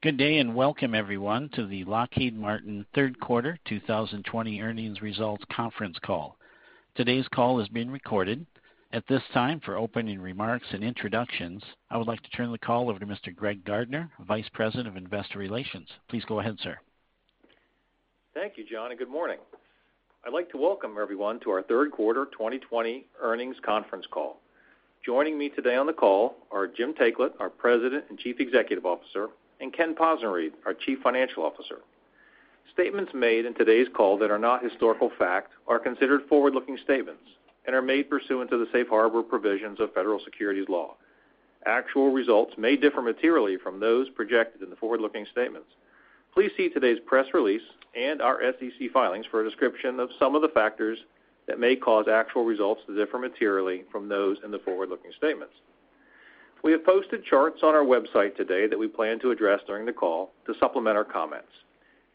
Good day, and welcome everyone to the Lockheed Martin Third Quarter 2020 Earnings Results conference call. Today's call is being recorded. At this time, for opening remarks and introductions, I would like to turn the call over to Mr. Greg Gardner, Vice President of Investor Relations. Please go ahead, sir. Thank you, John, and good morning. I'd like to welcome everyone to our third quarter 2020 earnings conference call. Joining me today on the call are Jim Taiclet, our President and Chief Executive Officer, and Ken Possenriede, our Chief Financial Officer. Statements made in today's call that are not historical fact are considered forward-looking statements and are made pursuant to the safe harbor provisions of federal securities law. Actual results may differ materially from those projected in the forward-looking statements. Please see today's press release and our SEC filings for a description of some of the factors that may cause actual results to differ materially from those in the forward-looking statements. We have posted charts on our website today that we plan to address during the call to supplement our comments.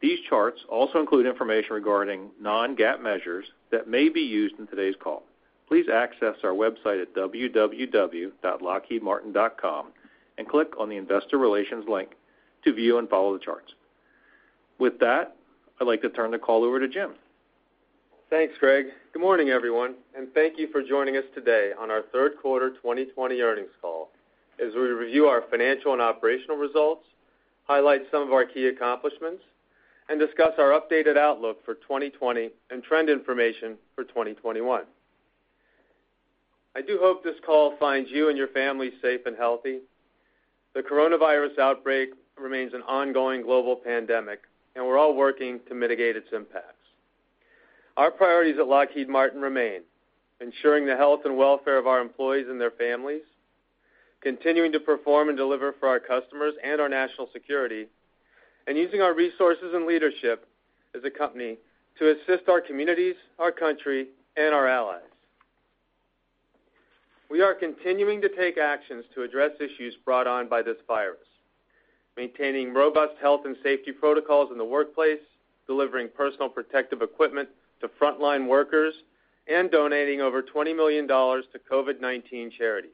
These charts also include information regarding non-GAAP measures that may be used in today's call. Please access our website at www.lockheedmartin.com and click on the Investor Relations link to view and follow the charts. With that, I'd like to turn the call over to Jim. Thanks, Greg. Good morning, everyone, and thank you for joining us today on our third quarter 2020 earnings call as we review our financial and operational results, highlight some of our key accomplishments, and discuss our updated outlook for 2020 and trend information for 2021. I do hope this call finds you and your family safe and healthy. The coronavirus outbreak remains an ongoing global pandemic, and we're all working to mitigate its impacts. Our priorities at Lockheed Martin remain ensuring the health and welfare of our employees and their families, continuing to perform and deliver for our customers and our national security, and using our resources and leadership as a company to assist our communities, our country, and our allies. We are continuing to take actions to address issues brought on by this virus, maintaining robust health and safety protocols in the workplace, delivering personal protective equipment to frontline workers, and donating over $20 million to COVID-19 charities.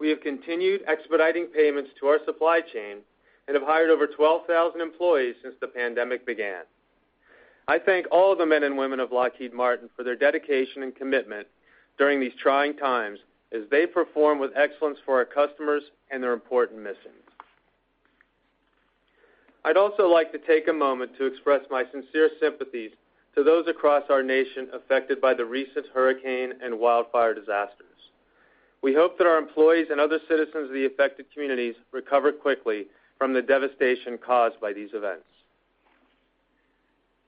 We have continued expediting payments to our supply chain and have hired over 12,000 employees since the pandemic began. I thank all of the men and women of Lockheed Martin for their dedication and commitment during these trying times as they perform with excellence for our customers and their important missions. I'd also like to take a moment to express my sincere sympathies to those across our nation affected by the recent hurricane and wildfire disasters. We hope that our employees and other citizens of the affected communities recover quickly from the devastation caused by these events.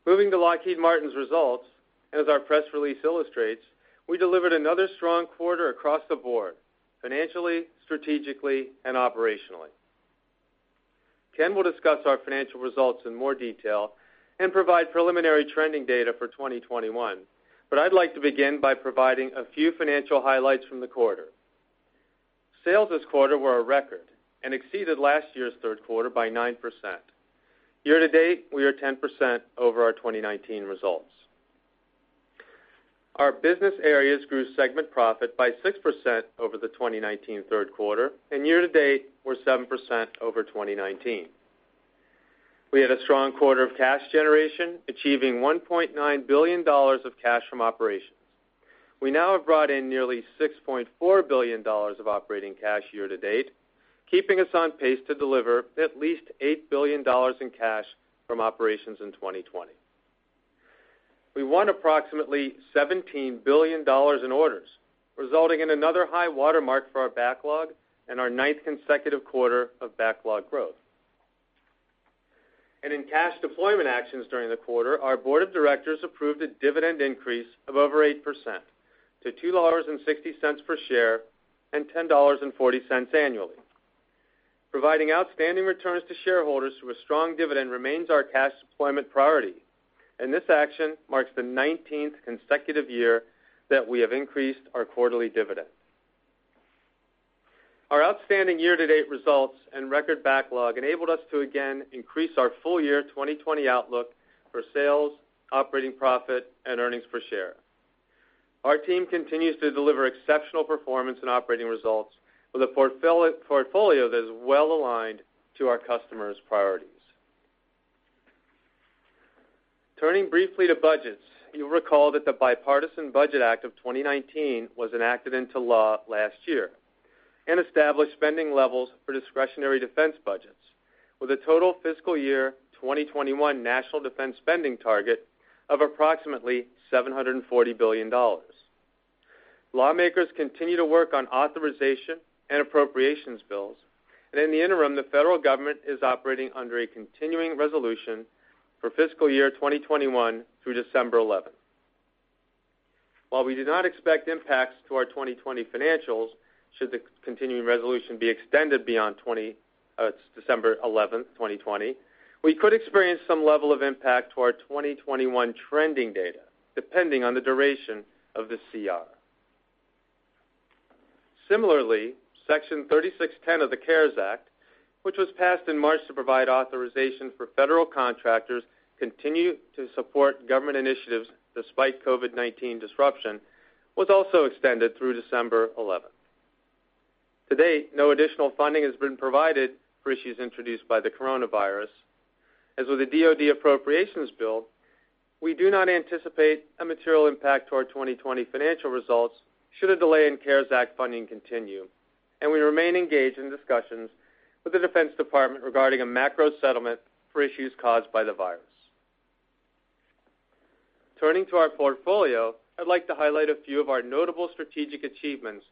Moving to Lockheed Martin's results, as our press release illustrates, we delivered another strong quarter across the board, financially, strategically, and operationally. Ken will discuss our financial results in more detail and provide preliminary trending data for 2021, but I'd like to begin by providing a few financial highlights from the quarter. Sales this quarter were a record and exceeded last year's third quarter by 9%. Year to date, we are 10% over our 2019 results. Our business areas grew segment profit by 6% over the 2019 third quarter, and year to date, we're 7% over 2019. We had a strong quarter of cash generation, achieving $1.9 billion of cash from operations. We now have brought in nearly $6.4 billion of operating cash year to date, keeping us on pace to deliver at least $8 billion in cash from operations in 2020. We won approximately $17 billion in orders, resulting in another high watermark for our backlog and our ninth consecutive quarter of backlog growth. In cash deployment actions during the quarter, our board of directors approved a dividend increase of over 8% to $2.60 per share and $10.40 annually. Providing outstanding returns to shareholders through a strong dividend remains our cash deployment priority, and this action marks the 19th consecutive year that we have increased our quarterly dividend. Our outstanding year-to-date results and record backlog enabled us to again increase our full year 2020 outlook for sales, operating profit, and earnings per share. Our team continues to deliver exceptional performance and operating results with a portfolio that is well aligned to our customers' priorities. Turning briefly to budgets, you'll recall that the Bipartisan Budget Act of 2019 was enacted into law last year and established spending levels for discretionary defense budgets, with a total FY 2021 national defense spending target of approximately $740 billion. Lawmakers continue to work on authorization and appropriations bills. In the interim, the federal government is operating under a continuing resolution for FY 2021 through December 11th. While we do not expect impacts to our 2020 financials should the continuing resolution be extended beyond December 11th, 2020, we could experience some level of impact to our 2021 trending data, depending on the duration of the CR. Similarly, Section 3610 of the CARES Act, which was passed in March to provide authorization for federal contractors, continue to support government initiatives despite COVID-19 disruption, was also extended through December 11th. To date, no additional funding has been provided for issues introduced by the coronavirus. As with the DoD Appropriations bill, we do not anticipate a material impact to our 2020 financial results should a delay in CARES Act funding continue, and we remain engaged in discussions with the Defense Department regarding a macro settlement for issues caused by the virus. Turning to our portfolio, I'd like to highlight a few of our notable strategic achievements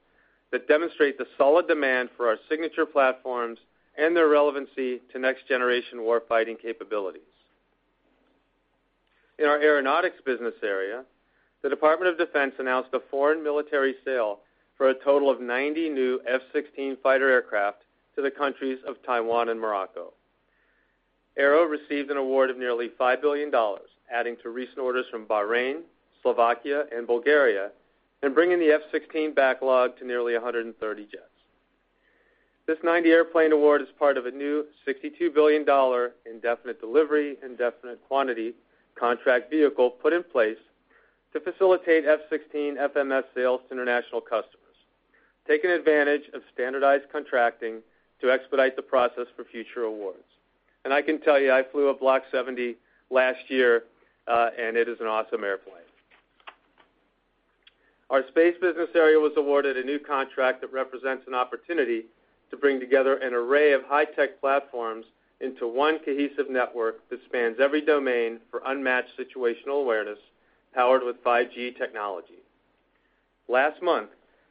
that demonstrate the solid demand for our signature platforms and their relevancy to next-generation warfighting capabilities. In our aeronautics business area, the Department of Defense announced a foreign military sale for a total of 90 new F-16 fighter aircraft to the countries of Taiwan and Morocco. Aero received an award of nearly $5 billion, adding to recent orders from Bahrain, Slovakia, and Bulgaria, and bringing the F-16 backlog to nearly 130 jets. This 90-airplane award is part of a new $62 billion indefinite delivery, indefinite quantity contract vehicle put in place to facilitate F-16 FMS sales to international customers, taking advantage of standardized contracting to expedite the process for future awards. I can tell you, I flew a Block 70 last year, and it is an awesome airplane. Our Space business area was awarded a new contract that represents an opportunity to bring together an array of high-tech platforms into one cohesive network that spans every domain for unmatched situational awareness, powered with 5G technology. Last month,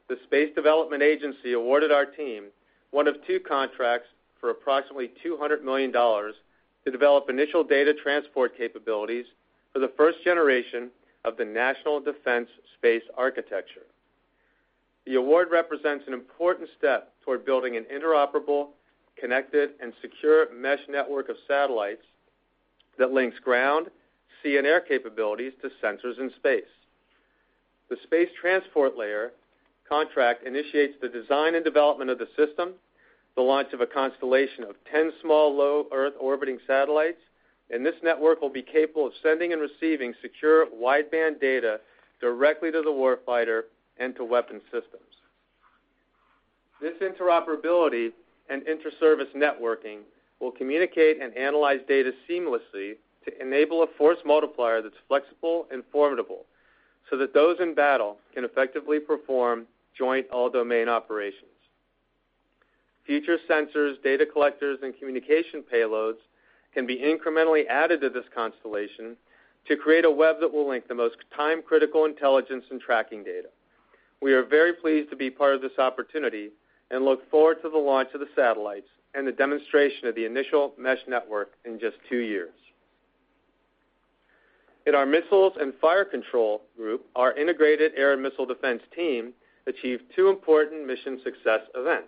the Space Development Agency awarded our team one of two contracts for approximately $200 million to develop initial data transport capabilities for the first generation of the National Defense Space Architecture. The award represents an important step toward building an interoperable, connected, and secure mesh network of satellites that links ground, sea, and air capabilities to sensors in space. The Space Transport Layer contract initiates the design and development of the system, the launch of a constellation of 10 small low Earth-orbiting satellites. This network will be capable of sending and receiving secure wideband data directly to the warfighter and to weapon systems. This interoperability and interservice networking will communicate and analyze data seamlessly to enable a force multiplier that's flexible and formidable. That those in battle can effectively perform joint all-domain operations. Future sensors, data collectors, and communication payloads can be incrementally added to this constellation to create a web that will link the most time-critical intelligence and tracking data. We are very pleased to be part of this opportunity and look forward to the launch of the satellites and the demonstration of the initial mesh network in just two years. In our Missiles and Fire Control group, our integrated air and missile defense team achieved two important mission success events.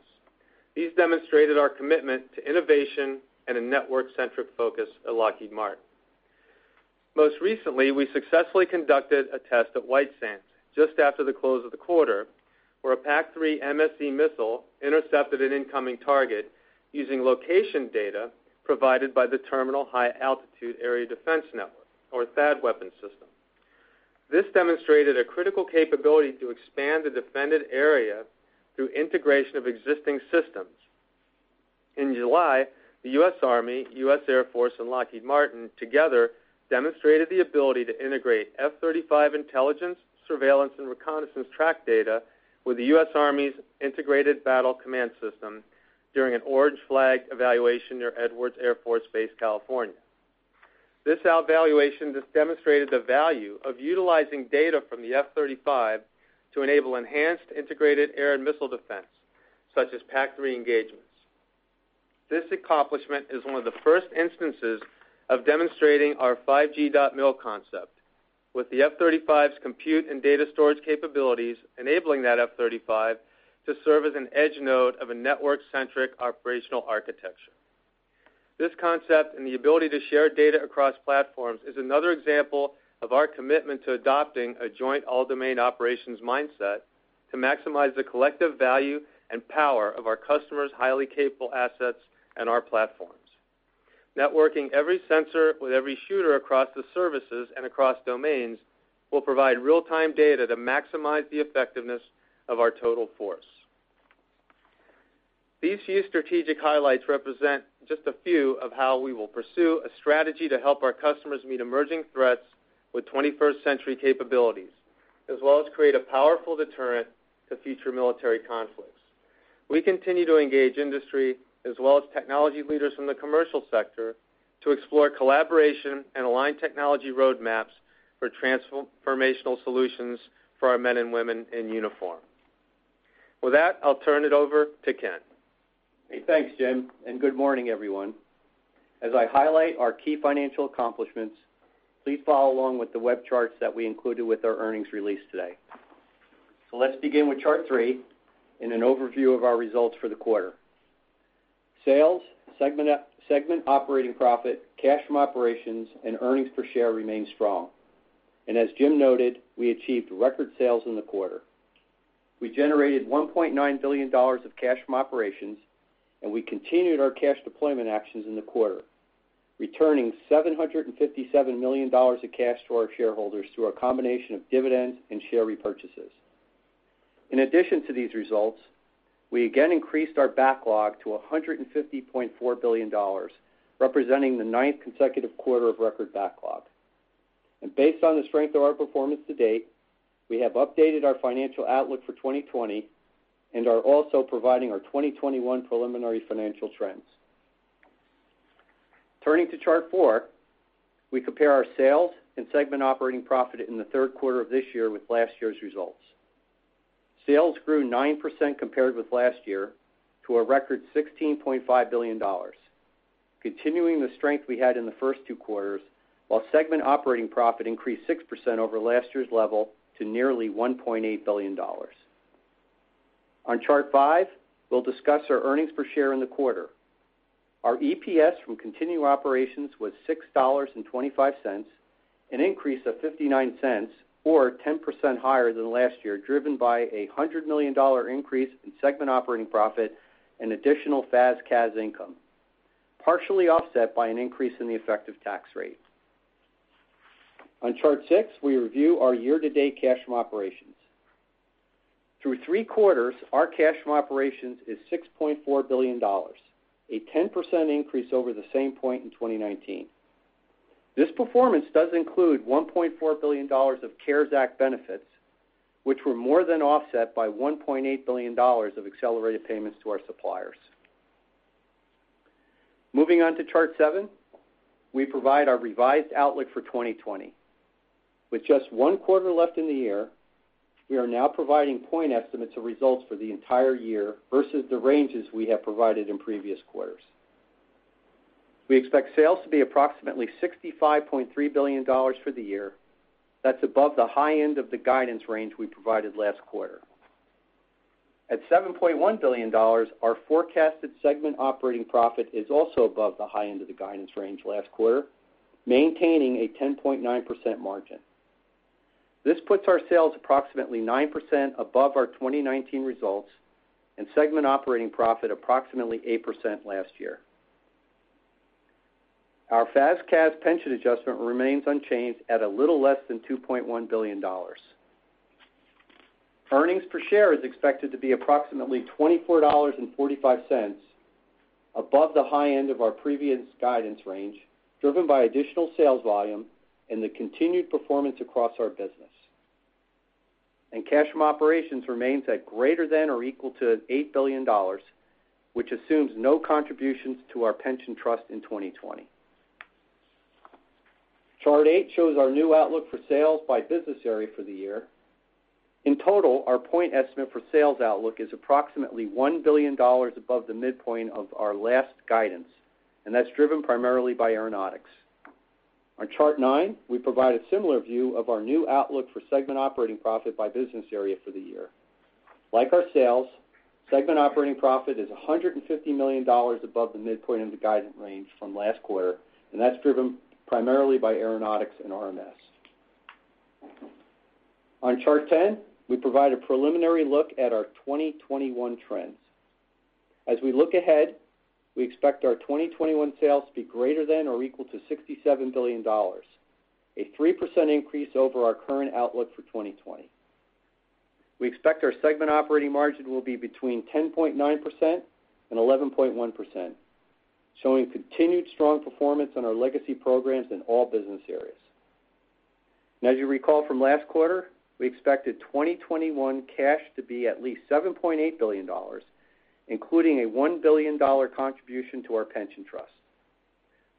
These demonstrated our commitment to innovation and a network-centric focus at Lockheed Martin. Most recently, we successfully conducted a test at White Sands, just after the close of the quarter, where a PAC-3 MSE missile intercepted an incoming target using location data provided by the Terminal High Altitude Area Defense network, or THAAD weapon system. This demonstrated a critical capability to expand the defended area through integration of existing systems. In July, the U.S. Army, U.S. Air Force, and Lockheed Martin together demonstrated the ability to integrate F-35 intelligence, surveillance, and reconnaissance track data with the U.S. Army's Integrated Battle Command System during an Orange Flag evaluation near Edwards Air Force Base, California. This evaluation just demonstrated the value of utilizing data from the F-35 to enable enhanced integrated air and missile defense, such as PAC-3 engagements. This accomplishment is one of the first instances of demonstrating our 5G.MIL concept with the F-35's compute and data storage capabilities, enabling that F-35 to serve as an edge node of a network-centric operational architecture. This concept and the ability to share data across platforms is another example of our commitment to adopting a joint all-domain operations mindset to maximize the collective value and power of our customers' highly capable assets and our platforms. Networking every sensor with every shooter across the services and across domains will provide real-time data to maximize the effectiveness of our total force. These few strategic highlights represent just a few of how we will pursue a strategy to help our customers meet emerging threats with 21st-century capabilities, as well as create a powerful deterrent to future military conflicts. We continue to engage industry as well as technology leaders from the commercial sector to explore collaboration and align technology roadmaps for transformational solutions for our men and women in uniform. With that, I'll turn it over to Ken. Hey, thanks, Jim, and good morning, everyone. As I highlight our key financial accomplishments, please follow along with the web charts that we included with our earnings release today. Let's begin with chart three and an overview of our results for the quarter. Sales, segment operating profit, cash from operations, and earnings per share remain strong. As Jim noted, we achieved record sales in the quarter. We generated $1.9 billion of cash from operations, and we continued our cash deployment actions in the quarter, returning $757 million of cash to our shareholders through a combination of dividends and share repurchases. In addition to these results, we again increased our backlog to $150.4 billion, representing the ninth consecutive quarter of record backlog. Based on the strength of our performance to date, we have updated our financial outlook for 2020 and are also providing our 2021 preliminary financial trends. Turning to Chart 4, we compare our sales and segment operating profit in the third quarter of this year with last year's results. Sales grew 9% compared with last year, to a record $16.5 billion, continuing the strength we had in the first two quarters, while segment operating profit increased 6% over last year's level to nearly $1.8 billion. On Chart 5, we'll discuss our earnings per share in the quarter. Our EPS from continuing operations was $6.25, an increase of $0.59 or 10% higher than last year, driven by a $100 million increase in segment operating profit and additional FAS/CAS income, partially offset by an increase in the effective tax rate. On Chart 6, we review our year-to-date cash from operations. Through three quarters, our cash from operations is $6.4 billion, a 10% increase over the same point in 2019. This performance does include $1.4 billion of CARES Act benefits, which were more than offset by $1.8 billion of accelerated payments to our suppliers. Moving on to Chart 7, we provide our revised outlook for 2020. With just one quarter left in the year, we are now providing point estimates of results for the entire year versus the ranges we have provided in previous quarters. We expect sales to be approximately $65.3 billion for the year. That's above the high end of the guidance range we provided last quarter. At $7.1 billion, our forecasted segment operating profit is also above the high end of the guidance range last quarter, maintaining a 10.9% margin. This puts our sales approximately 9% above our 2019 results and segment operating profit approximately 8% last year. Our FAS/CAS pension adjustment remains unchanged at a little less than $2.1 billion. Earnings per share is expected to be approximately $24.45, above the high end of our previous guidance range, driven by additional sales volume and the continued performance across our business. Cash from operations remains at greater than or equal to $8 billion, which assumes no contributions to our pension trust in 2020. Chart 8 shows our new outlook for sales by business area for the year. In total, our point estimate for sales outlook is approximately $1 billion above the midpoint of our last guidance, and that's driven primarily by Aeronautics. On Chart 9, we provide a similar view of our new outlook for segment operating profit by business area for the year. Like our sales, segment operating profit is $150 million above the midpoint of the guidance range from last quarter, and that's driven primarily by Aeronautics and RMS. On Chart 10, we provide a preliminary look at our 2021 trends. As we look ahead, we expect our 2021 sales to be greater than or equal to $67 billion, a 3% increase over our current outlook for 2020. We expect our segment operating margin will be between 10.9% and 11.1%, showing continued strong performance on our legacy programs in all business areas. Now, as you recall from last quarter, we expected 2021 cash to be at least $7.8 billion, including a $1 billion contribution to our pension trust.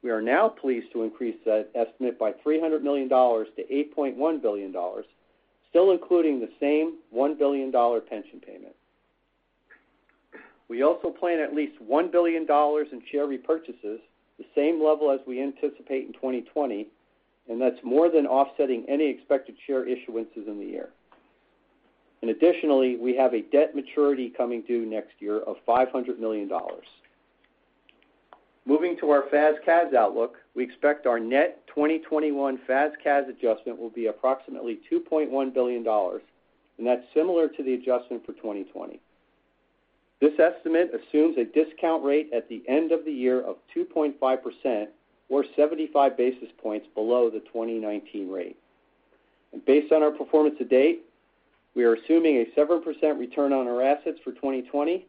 We are now pleased to increase that estimate by $300 million-$8.1 billion, still including the same $1 billion pension payment. We also plan at least $1 billion in share repurchases, the same level as we anticipate in 2020, and that's more than offsetting any expected share issuances in the year. Additionally, we have a debt maturity coming due next year of $500 million. Moving to our FAS/CAS outlook, we expect our net 2021 FAS/CAS adjustment will be approximately $2.1 billion, and that's similar to the adjustment for 2020. This estimate assumes a discount rate at the end of the year of 2.5%, or 75 basis points below the 2019 rate. Based on our performance to date, we are assuming a 7% return on our assets for 2020,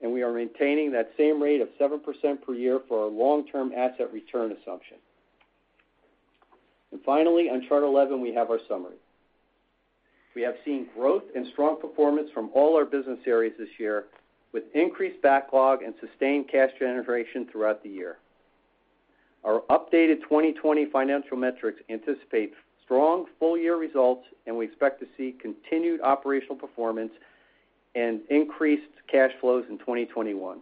and we are maintaining that same rate of 7% per year for our long-term asset return assumption. Finally, on Chart 11, we have our summary. We have seen growth and strong performance from all our business areas this year, with increased backlog and sustained cash generation throughout the year. Our updated 2020 financial metrics anticipate strong full-year results, and we expect to see continued operational performance and increased cash flows in 2021.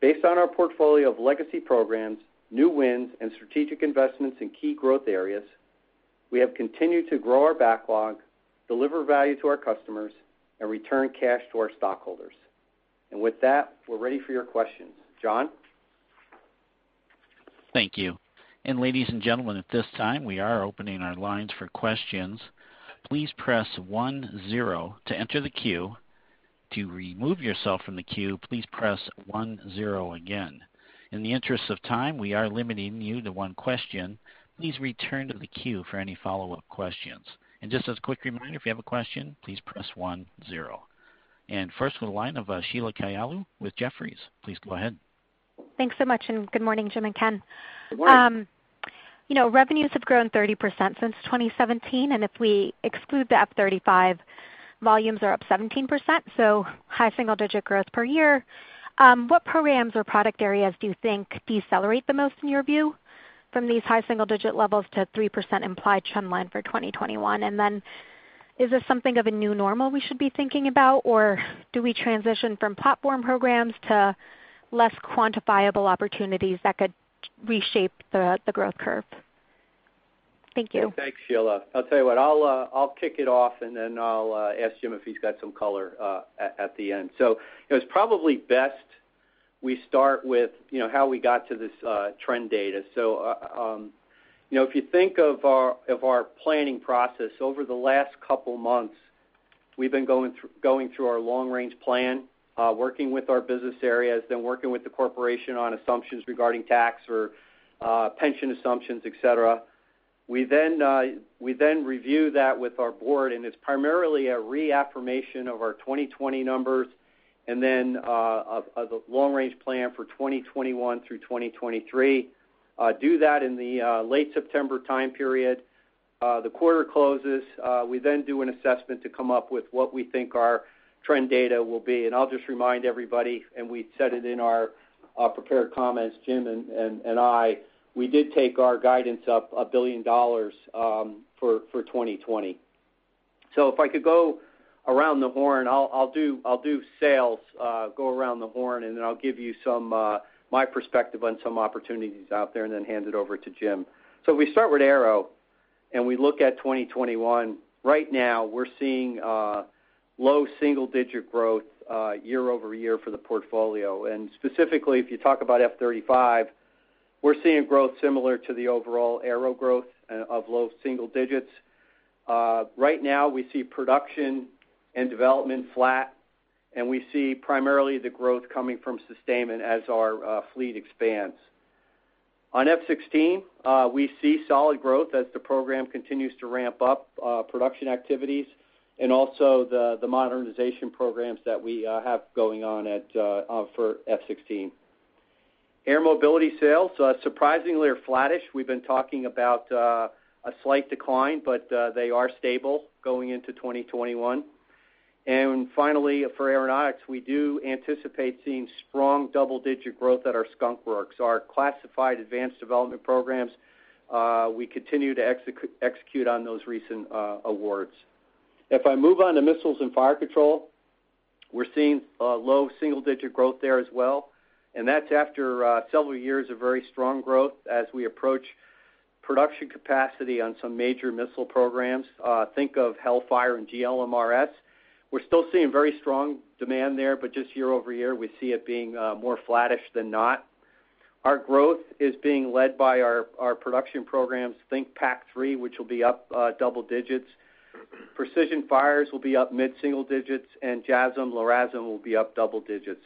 Based on our portfolio of legacy programs, new wins, and strategic investments in key growth areas, we have continued to grow our backlog, deliver value to our customers, and return cash to our stockholders. With that, we're ready for your questions. John? Thank you. Ladies and gentlemen, at this time, we are opening our lines for questions. Please press one zero to enter the queue. To remove yourself from the queue, please press one zero again. In the interest of time, we are limiting you to one question. Please return to the queue for any follow-up questions. Just as a quick reminder, if you have a question, please press one zero. First to the line of Sheila Kahyaoglu with Jefferies. Please go ahead. Thanks so much, good morning, Jim and Ken. Good morning. Revenues have grown 30% since 2017, and if we exclude the F-35, volumes are up 17%, so high single-digit growth per year. What programs or product areas do you think decelerate the most in your view from these high single-digit levels to 3% implied trend line for 2021? Is this something of a new normal we should be thinking about, or do we transition from platform programs to less quantifiable opportunities that could reshape the growth curve? Thank you. Thanks, Sheila. I'll tell you what, I'll kick it off, and then I'll ask Jim if he's got some color at the end. It's probably best we start with how we got to this trend data. If you think of our planning process over the last couple of months, we've been going through our long-range plan, working with our business areas, then working with the corporation on assumptions regarding tax or pension assumptions, et cetera. We then review that with our board, it's primarily a reaffirmation of our 2020 numbers, then of the long-range plan for 2021 through 2023. Do that in the late September time period. The quarter closes. We then do an assessment to come up with what we think our trend data will be. I'll just remind everybody, and we said it in our prepared comments, Jim and I, we did take our guidance up $1 billion for 2020. If I could go around the horn, I'll do sales, go around the horn, and then I'll give you my perspective on some opportunities out there and then hand it over to Jim. We start with Aero, and we look at 2021. Right now, we're seeing low single-digit growth year-over-year for the portfolio. Specifically, if you talk about F-35, we're seeing growth similar to the overall Aero growth of low single digits. Right now, we see production and development flat, and we see primarily the growth coming from sustainment as our fleet expands. On F-16, we see solid growth as the program continues to ramp up production activities and also the modernization programs that we have going on for F-16. Air mobility sales surprisingly are flattish. We've been talking about a slight decline, but they are stable going into 2021. Finally, for Aeronautics, we do anticipate seeing strong double-digit growth at our Skunk Works. Our classified advanced development programs, we continue to execute on those recent awards. If I move on to Missiles and Fire Control, we're seeing low single-digit growth there as well. That's after several years of very strong growth as we approach production capacity on some major missile programs. Think of HELLFIRE and GMLRS. We're still seeing very strong demand there. Just year-over-year, we see it being more flattish than not. Our growth is being led by our production programs. Think PAC-3, which will be up double digits. Precision fires will be up mid-single digits. JASSM/LRASM will be up double digits.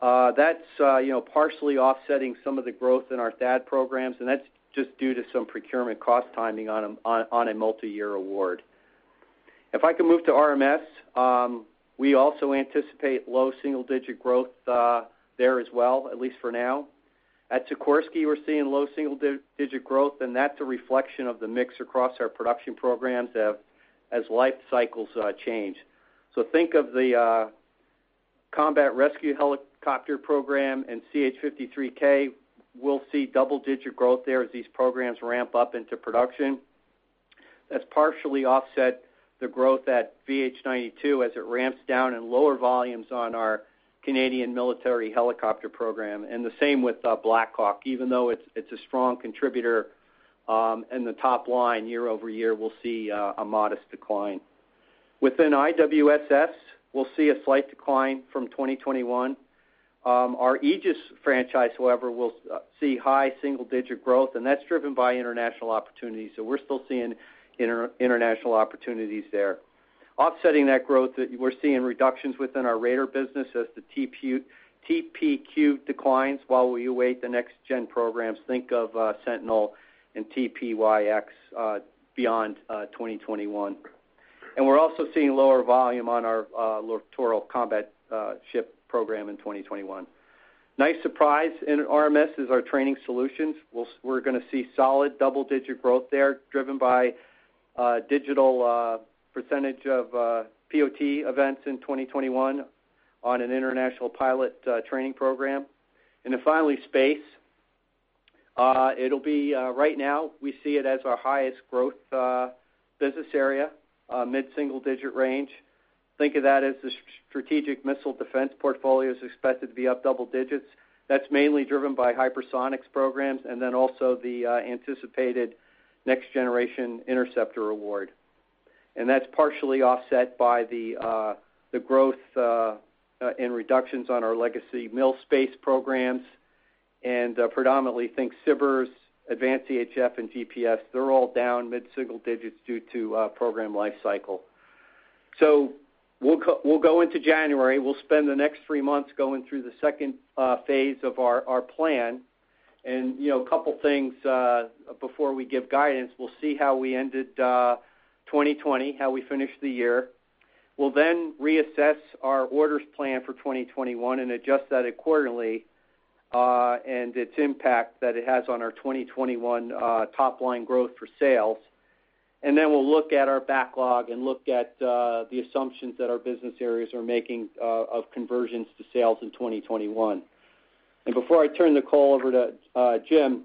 That's partially offsetting some of the growth in our THAAD programs. That's just due to some procurement cost timing on a multi-year award. If I could move to RMS, we also anticipate low single-digit growth there as well, at least for now. At Sikorsky, we're seeing low single-digit growth. That's a reflection of the mix across our production programs as life cycles change. Think of the Combat Rescue Helicopter program and CH-53K. We'll see double-digit growth there as these programs ramp up into production. That's partially offset the growth at VH-92 as it ramps down in lower volumes on our Canadian military helicopter program. The same with Black Hawk. Even though it's a strong contributor in the top line year-over-year, we'll see a modest decline. Within IWSS, we'll see a slight decline from 2021. Our Aegis franchise, however, will see high single-digit growth. That's driven by international opportunities. We're still seeing international opportunities there. Offsetting that growth, we're seeing reductions within our radar business as the TPQ-53 declines while we await the next-gen programs. Think of Sentinel and TPY-X beyond 2021. We're also seeing lower volume on our Littoral Combat Ship program in 2021. Nice surprise in RMS is our training solutions. We're going to see solid double-digit growth there, driven by digital percentage of POC events in 2021 on an international pilot training program. Finally, space. Right now, we see it as our highest growth business area, mid-single-digit range. Think of that as the strategic missile defense portfolio is expected to be up double digits. That's mainly driven by hypersonics programs and also the anticipated Next-Generation Interceptor award. That's partially offset by the growth in reductions on our legacy mil space programs, predominantly think SBIRS, Advanced EHF, and GPS. They're all down mid-single digits due to program life cycle. We'll go into January. We'll spend the next three months going through the second phase of our plan. A couple of things before we give guidance. We'll see how we ended 2020, how we finish the year. We'll reassess our orders plan for 2021 and adjust that accordingly, and its impact that it has on our 2021 top-line growth for sales. We'll look at our backlog and look at the assumptions that our business areas are making of conversions to sales in 2021. Before I turn the call over to Jim,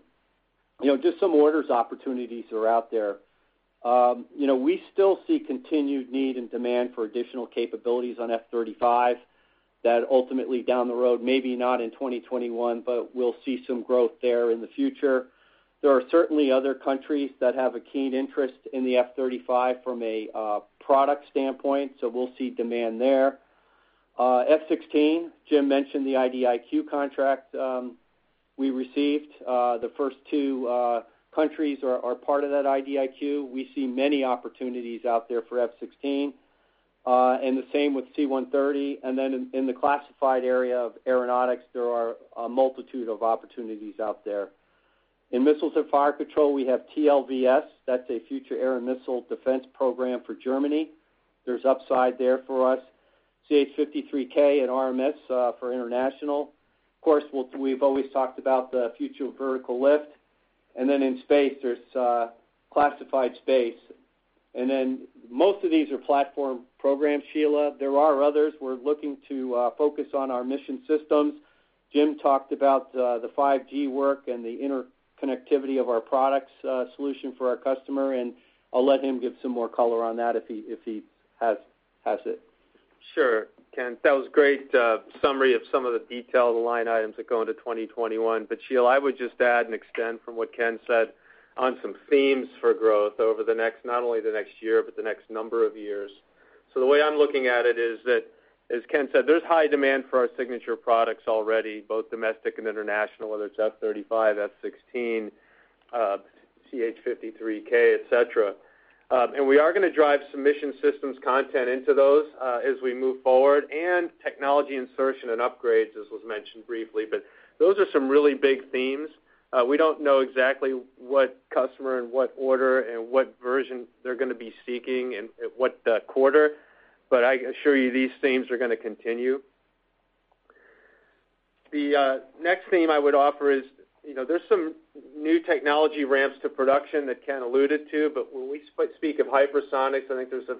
just some orders opportunities that are out there. We still see continued need and demand for additional capabilities on F-35 that ultimately down the road, maybe not in 2021, but we'll see some growth there in the future. There are certainly other countries that have a keen interest in the F-35 from a product standpoint, so we'll see demand there. F-16, Jim mentioned the IDIQ contract we received. The first two countries are part of that IDIQ. We see many opportunities out there for F-16, and the same with C-130. Then in the classified area of aeronautics, there are a multitude of opportunities out there. In missiles and fire control, we have TLVS. That's a future air and missile defense program for Germany. There's upside there for us. CH-53K and RMS for international. Of course, we've always talked about the future of vertical lift. In space, there's classified space. Most of these are platform programs, Sheila. There are others. We're looking to focus on our mission systems. Jim talked about the 5G work and the interconnectivity of our products solution for our customer, and I'll let him give some more color on that if he has it. Sure. Ken, that was a great summary of some of the detailed line items that go into 2021. Sheila, I would just add and extend from what Ken said on some themes for growth over the next, not only the next year, but the next number of years. The way I'm looking at it is that, as Ken said, there's high demand for our signature products already, both domestic and international, whether it's F-35, F-16, CH-53K, et cetera. We are going to drive some mission systems content into those as we move forward, and technology insertion and upgrades as was mentioned briefly. Those are some really big themes. We don't know exactly what customer and what order and what version they're going to be seeking and at what quarter. I assure you, these themes are going to continue. The next theme I would offer is there's some new technology ramps to production that Ken alluded to. When we speak of hypersonics, I think there's a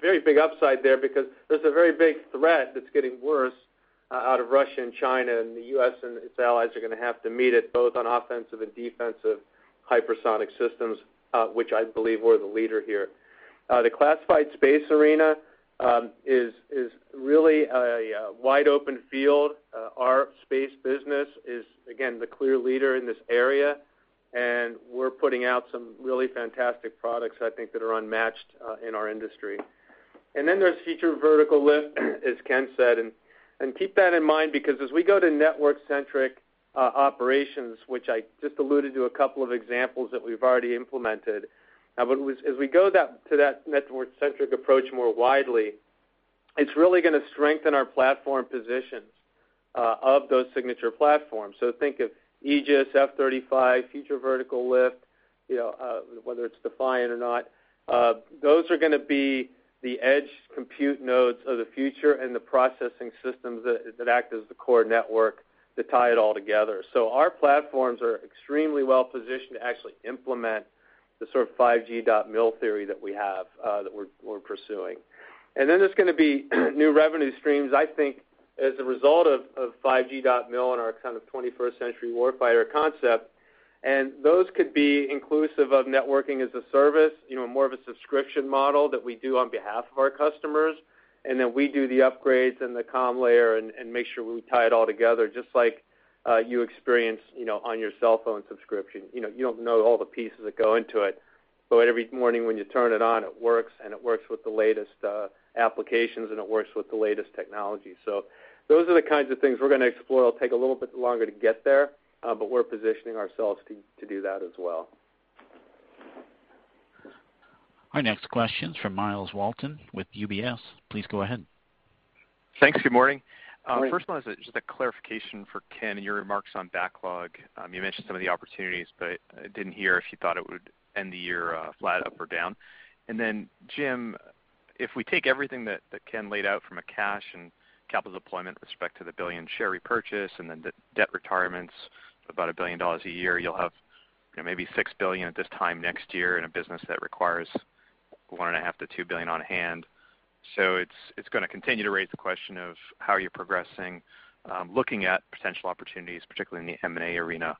very big upside there because there's a very big threat that's getting worse out of Russia and China, and the U.S. and its allies are going to have to meet it both on offensive and defensive hypersonic systems which I believe we're the leader here. The classified space arena is really a wide-open field. Our space business is, again, the clear leader in this area, and we're putting out some really fantastic products, I think, that are unmatched in our industry. Then there's Future Vertical Lift, as Ken said. Keep that in mind because as we go to network-centric operations, which I just alluded to a couple of examples that we've already implemented. As we go to that network-centric approach more widely, it's really going to strengthen our platform positions of those signature platforms. Think of Aegis, F-35, Future Vertical Lift, whether it's DEFIANT or not. Those are going to be the edge compute nodes of the future and the processing systems that act as the core network to tie it all together. Our platforms are extremely well-positioned to actually implement the sort of 5G.MIL theory that we have that we're pursuing. Then there's going to be new revenue streams, I think, as a result of 5G.MIL and our kind of 21st Century Warfighter concept. Those could be inclusive of networking as a service, more of a subscription model that we do on behalf of our customers. We do the upgrades and the comm layer and make sure we tie it all together just like you experience on your cell phone subscription. You don't know all the pieces that go into it. Every morning when you turn it on, it works, and it works with the latest applications, and it works with the latest technology. Those are the kinds of things we're going to explore. It'll take a little bit longer to get there, but we're positioning ourselves to do that as well. Our next question's from Myles Walton with UBS. Please go ahead. Thanks. Good morning. Morning. First one is just a clarification for Ken, your remarks on backlog. You mentioned some of the opportunities, but I didn't hear if you thought it would end the year flat up or down. Jim, if we take everything that Ken laid out from a cash and capital deployment respect to the $1 billion share repurchase and then debt retirements about $1 billion a year, you'll have maybe $6 billion at this time next year in a business that requires $1.5 billion-$2 billion on hand. It's going to continue to raise the question of how you're progressing, looking at potential opportunities, particularly in the M&A arena.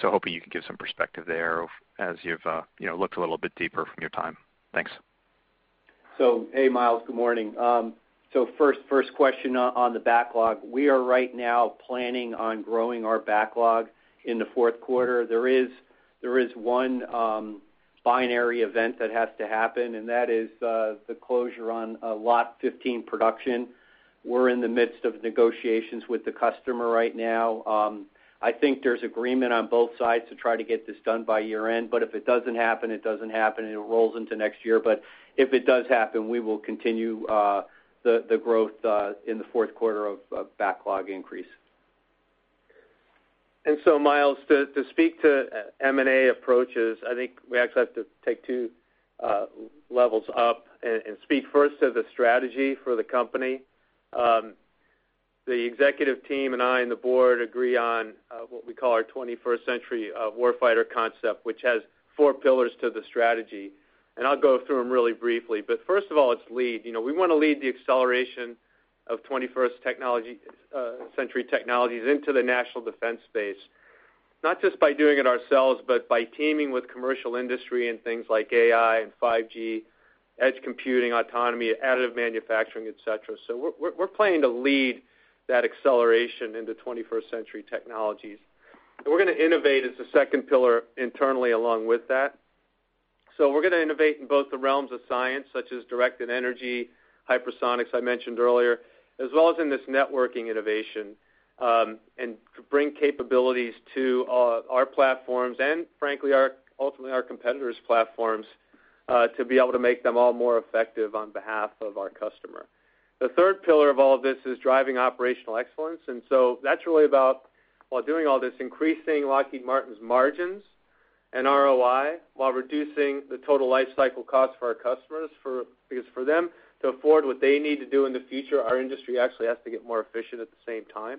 Hoping you can give some perspective there as you've looked a little bit deeper from your time. Thanks. Hey, Myles. Good morning. First question on the backlog. We are right now planning on growing our backlog in the fourth quarter. There is one binary event that has to happen, and that is the closure on Lot 15 production. We're in the midst of negotiations with the customer right now. I think there's agreement on both sides to try to get this done by year-end, but if it doesn't happen, it doesn't happen, and it rolls into next year. If it does happen, we will continue the growth in the fourth quarter of backlog increase. Myles, to speak to M&A approaches, I think we actually have to take two levels up and speak first to the strategy for the company. The executive team and I and the board agree on what we call our 21st Century Warfighter concept, which has four pillars to the strategy, and I'll go through them really briefly. First of all, it's lead. We want to lead the acceleration of 21st century technologies into the national defense space, not just by doing it ourselves, but by teaming with commercial industry and things like AI and 5G, edge computing, autonomy, additive manufacturing, et cetera. We're planning to lead that acceleration into 21st century technologies. We're going to innovate as the second pillar internally along with that. We're going to innovate in both the realms of science, such as directed energy, hypersonics I mentioned earlier, as well as in this networking innovation, and to bring capabilities to our platforms and, frankly, ultimately our competitors' platforms, to be able to make them all more effective on behalf of our customer. The third pillar of all of this is driving operational excellence, that's really about, while doing all this, increasing Lockheed Martin's margins and ROI while reducing the total life cycle cost for our customers because for them to afford what they need to do in the future, our industry actually has to get more efficient at the same time.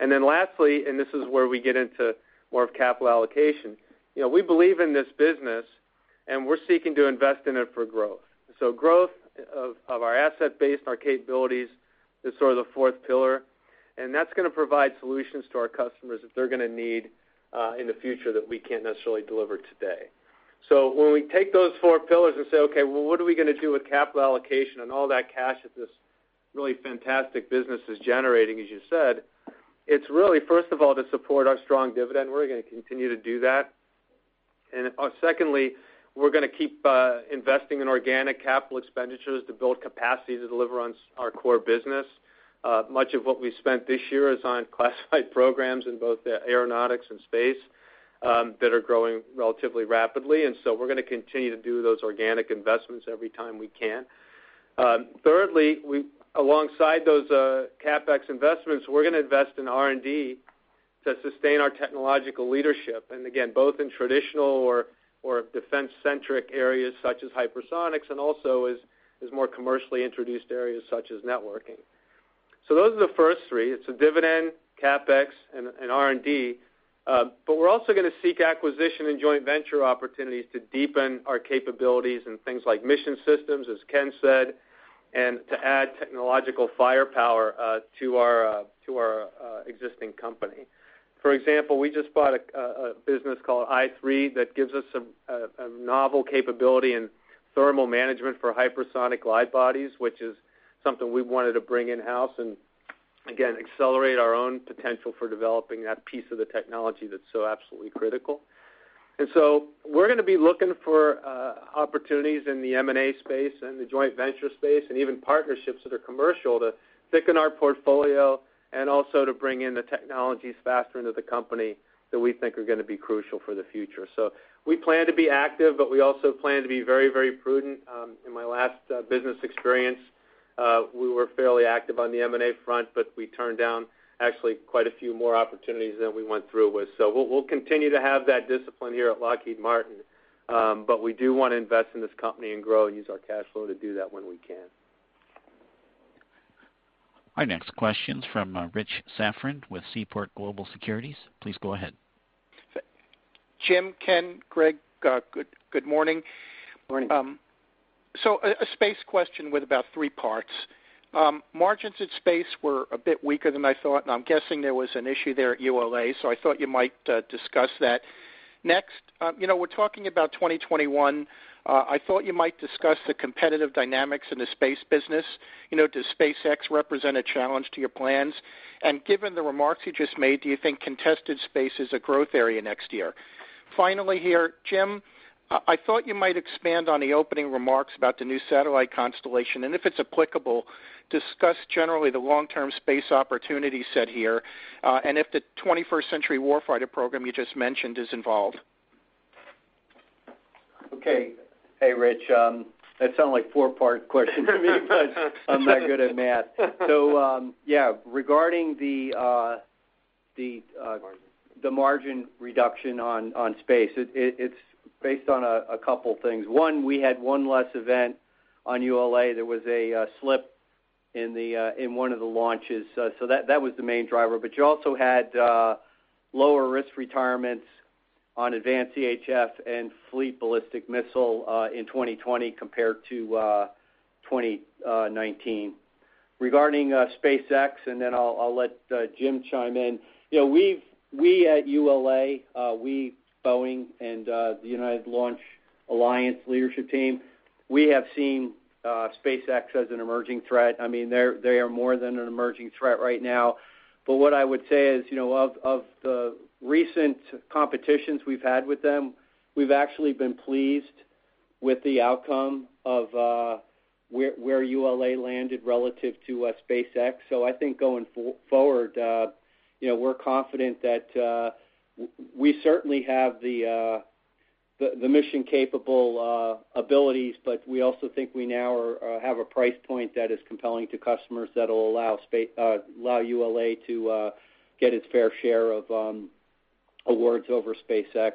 Lastly, this is where we get into more of capital allocation. We believe in this business, and we're seeking to invest in it for growth. Growth of our asset base and our capabilities is sort of the fourth pillar, and that's going to provide solutions to our customers that they're going to need in the future that we can't necessarily deliver today. When we take those four pillars and say, "Okay, well, what are we going to do with capital allocation and all that cash that this really fantastic business is generating," as you said, it's really, first of all, to support our strong dividend. We're going to continue to do that. Secondly, we're going to keep investing in organic capital expenditures to build capacity to deliver on our core business. Much of what we spent this year is on classified programs in both the aeronautics and space that are growing relatively rapidly, and so we're going to continue to do those organic investments every time we can. Thirdly, alongside those CapEx investments, we're going to invest in R&D to sustain our technological leadership, and again, both in traditional or defense-centric areas such as hypersonics and also as more commercially introduced areas such as networking. Those are the first three. It's a dividend, CapEx, and R&D. We're also going to seek acquisition and joint venture opportunities to deepen our capabilities in things like mission systems, as Ken said, and to add technological firepower to our existing company. For example, we just bought a business called i3 that gives us a novel capability in thermal management for hypersonic glide bodies, which is something we wanted to bring in-house and, again, accelerate our own potential for developing that piece of the technology that's so absolutely critical. We're going to be looking for opportunities in the M&A space and the joint venture space, and even partnerships that are commercial to thicken our portfolio and also to bring in the technologies faster into the company that we think are going to be crucial for the future. We plan to be active, but we also plan to be very prudent. In my last business experience, we were fairly active on the M&A front, but we turned down actually quite a few more opportunities than we went through with. We'll continue to have that discipline here at Lockheed Martin, but we do want to invest in this company and grow and use our cash flow to do that when we can. Our next question's from Rich Safran with Seaport Global Securities. Please go ahead. Jim, Ken, Greg, good morning. Morning. A space question with about three parts. Margins at space were a bit weaker than I thought, and I'm guessing there was an issue there at ULA, so I thought you might discuss that. Next, we're talking about 2021. I thought you might discuss the competitive dynamics in the space business. Does SpaceX represent a challenge to your plans? Given the remarks you just made, do you think contested space is a growth area next year? Finally here, Jim, I thought you might expand on the opening remarks about the new satellite constellation, and if it's applicable, discuss generally the long-term space opportunity set here, and if the 21st Century Warfighter program you just mentioned is involved. Okay. Hey, Rich. That sounded like a four-part question to me, but I'm not good at math. Yeah. Margin The margin reduction on Space, it's based on a couple things. One, we had one less event on ULA. There was a slip in one of the launches, so that was the main driver. You also had lower risk retirements on Advanced EHF and Fleet Ballistic Missile in 2020 compared to 2019. Regarding SpaceX, I'll let Jim chime in. We at ULA, we, Boeing, and the United Launch Alliance leadership team, we have seen SpaceX as an emerging threat. They are more than an emerging threat right now. What I would say is, of the recent competitions we've had with them, we've actually been pleased with the outcome of where ULA landed relative to SpaceX. I think going forward, we're confident that we certainly have the mission-capable abilities, but we also think we now have a price point that is compelling to customers that'll allow ULA to get its fair share of awards over SpaceX.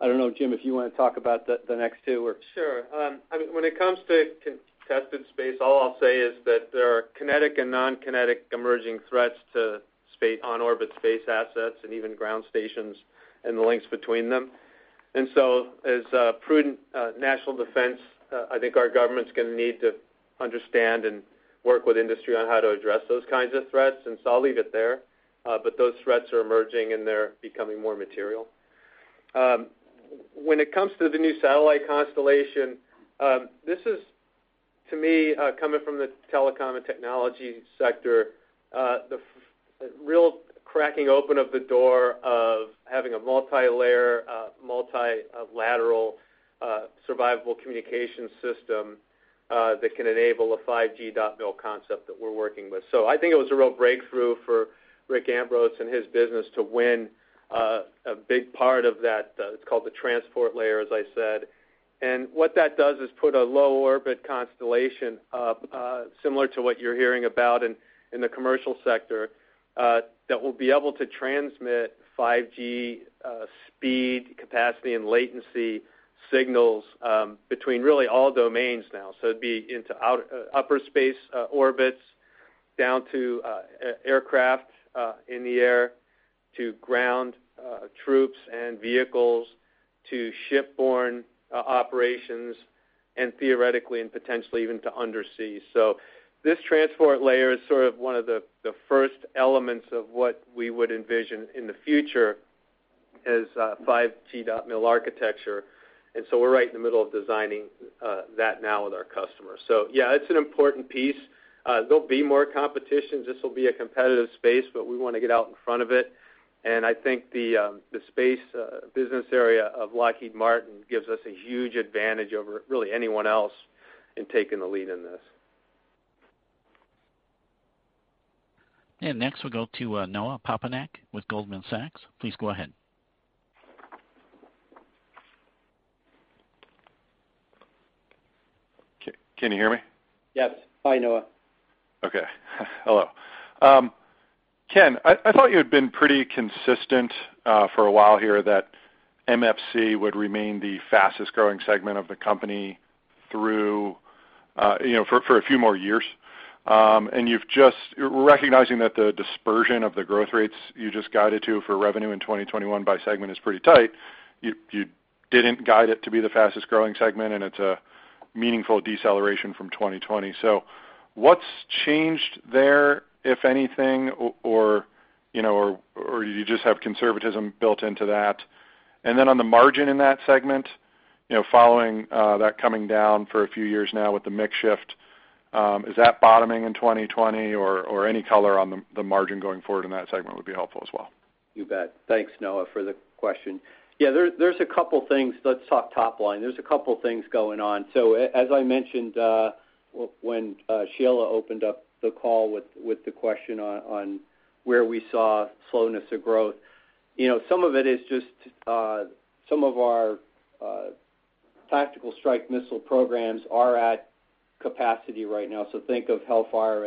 I don't know, Jim, if you want to talk about the next two. Sure. When it comes to contested space, all I'll say is that there are kinetic and non-kinetic emerging threats to on-orbit space assets and even ground stations and the links between them. As prudent national defense, I think our government's going to need to understand and work with industry on how to address those kinds of threats. I'll leave it there. Those threats are emerging, and they're becoming more material. When it comes to the new satellite constellation, this is, to me, coming from the telecom and technology sector, the real cracking open of the door of having a multilayer, multilateral, survivable communication system, that can enable a 5G.MIL concept that we're working with. I think it was a real breakthrough for Rick Ambrose and his business to win a big part of that. It's called the transport layer, as I said. What that does is put a low orbit constellation up, similar to what you're hearing about in the commercial sector, that will be able to transmit 5G speed, capacity, and latency signals between really all domains now. It'd be into upper space orbits, down to aircraft in the air, to ground troops and vehicles, to shipborne operations, and theoretically and potentially even to undersea. This transport layer is sort of one of the first elements of what we would envision in the future as 5G.MIL architecture. We're right in the middle of designing that now with our customers. Yeah, it's an important piece. There'll be more competition. This will be a competitive space, but we want to get out in front of it. I think the Space business area of Lockheed Martin gives us a huge advantage over really anyone else in taking the lead in this. Next, we'll go to Noah Poponak with Goldman Sachs. Please go ahead. Can you hear me? Yes. Hi, Noah. Okay. Hello. Ken, I thought you had been pretty consistent for a while here that MFC would remain the fastest-growing segment of the company for a few more years. Recognizing that the dispersion of the growth rates you just guided to for revenue in 2021 by segment is pretty tight, you didn't guide it to be the fastest-growing segment, and it's a meaningful deceleration from 2020. What's changed there, if anything, or you just have conservatism built into that? On the margin in that segment, following that coming down for a few years now with the mix shift, is that bottoming in 2020 or any color on the margin going forward in that segment would be helpful as well. You bet. Thanks, Noah, for the question. Yeah, there's a couple things. Let's talk top line. There's a couple things going on. As I mentioned, when Sheila opened up the call with the question on where we saw slowness of growth, some of it is just some of our tactical strike missile programs are at capacity right now. Think of HELLFIRE